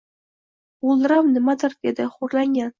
G’o’ldirab nimadir dedi, xo’rlangan